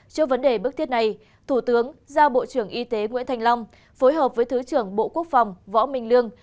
trước vấn đề bức thiết này thủ tướng giao bộ trưởng y tế nguyễn thành long phối hợp với thứ trưởng bộ quốc phòng võ minh lương